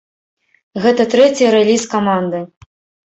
Гэта трэці рэліз каманды.